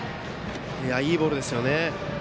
いいボールですよね。